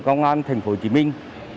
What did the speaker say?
công an thành phố hồ chí minh